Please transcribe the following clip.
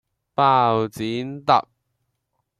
包剪~~揼